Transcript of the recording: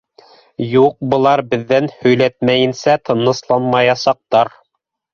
Юҡ, былар беҙҙән һөйләтмәйенсә тынысланмаясаҡтар.